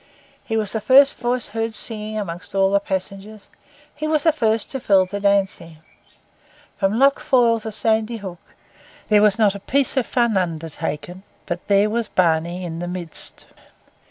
His was the first voice heard singing among all the passengers; he was the first who fell to dancing. From Loch Foyle to Sandy Hook, there was not a piece of fun undertaken but there was Barney in the midst.